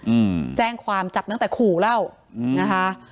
อืมแจ้งความจับตั้งแต่ขู่แล้วอืมนะคะ